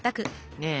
ねえ。